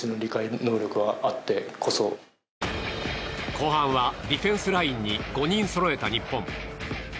後半はディフェンスラインに５人そろえた日本。